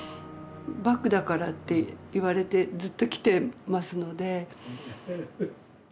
バクだからって言われてずっときてますので。